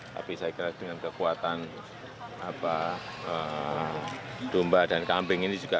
tapi saya kira dengan kekuatan domba dan kambing ini juga